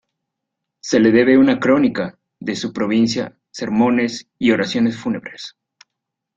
Se le debe una "Crónica" de su provincia, "Sermones" y "Oraciones fúnebres".